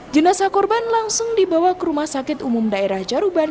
jenazah korban langsung dibawa ke rumah sakit umum daerah jaruban